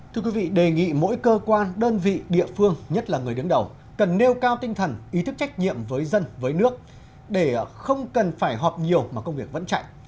thưa quý vị đề nghị mỗi cơ quan đơn vị địa phương nhất là người đứng đầu cần nêu cao tinh thần ý thức trách nhiệm với dân với nước để không cần phải họp nhiều mà công việc vẫn chạy